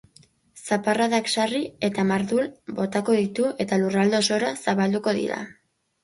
Zaparradak sarri eta mardul botako ditu eta lurralde osora zabalduko dira.